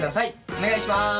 お願いします。